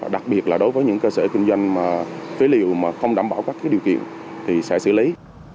đặc biệt là đối với những cơ sở kinh doanh phế liệu mà không đảm bảo các điều kiện thì sẽ xử lý